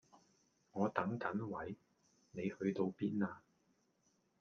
我等緊位，你去到邊呀